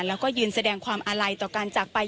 แล้วก็ยืนแสดงความอาลัยต่อการจากไป